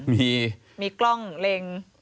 มีกล้องเล็ง